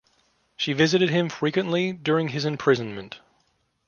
She visited him frequently during his imprisonment.